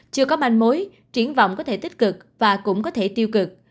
chưa có manh mối triển vọng có thể tích cực và cũng có thể tiêu cực